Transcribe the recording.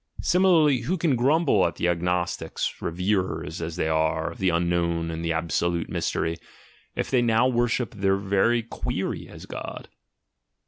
Similarly, who can grumble at the agnostics, reverers, as they are, of the unknown and the absolute mystery, if they now worship their very query as God?